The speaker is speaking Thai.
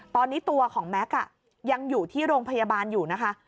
ตอนนี้ตัวของแม็กซ์ยังอยู่ที่โรงพยาบาลอยู่นะคะ